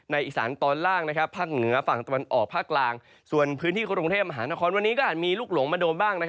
ในอีสานตอนล่างภาคเหนือฝั่งตะวันออกภาคกลาง